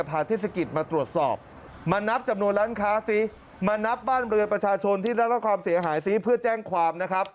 เพื่อแจ้งความ